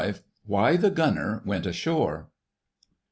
* *WHY THE GUNNER WENT ASHORE.